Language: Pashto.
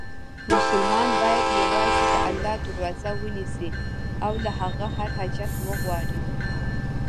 مسلمان باید یووازې د الله دروازه ونیسي، او له هغه هر حاجت وغواړي.